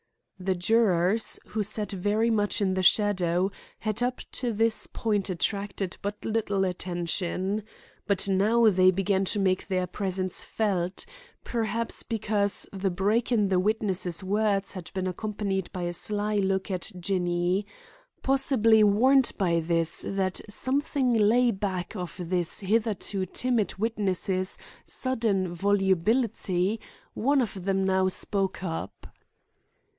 The jurors, who sat very much in the shadow, had up to this point attracted but little attention. But now they began to make their presence felt, perhaps because the break in the witness' words had been accompanied by a sly look at Jinny. Possibly warned by this that something lay back of this hitherto timid witness' sudden volubility, one of them now spoke up.